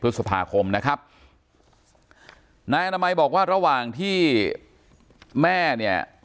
พฤษภาคมนะครับนายอนามัยบอกว่าระหว่างที่แม่เนี่ย